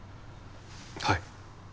はい。